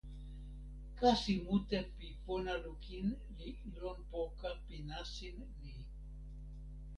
kasi mute pi pona lukin li lon poka pi nasin ni.